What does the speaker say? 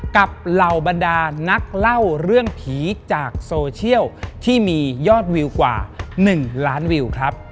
เหล่าบรรดานักเล่าเรื่องผีจากโซเชียลที่มียอดวิวกว่า๑ล้านวิวครับ